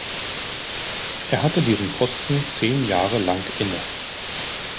Er hatte diesen Posten zehn Jahre lang inne.